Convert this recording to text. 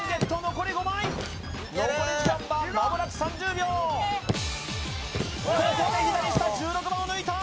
残り５枚残り時間はまもなく３０秒ここで左下１６番を抜いた！